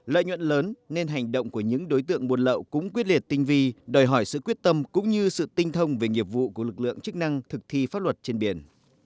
lợi nhuận lớn nên hành động của những đối tượng buôn lậu cũng quyết liệt tinh vi đòi hỏi sự quyết tâm cũng như sự tinh thông về nghiệp vụ của lực lượng chức năng thực thi pháp luật trên biển